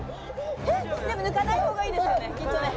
でも抜かないほうがいいですよねきっとね。